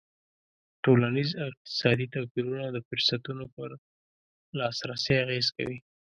ټولنیز او اقتصادي توپیرونه د فرصتونو پر لاسرسی اغېز کوي.